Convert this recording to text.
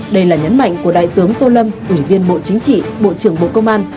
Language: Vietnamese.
đây là nhấn mạnh của đại tướng tô lâm ủy viên bộ chính trị bộ trưởng bộ công an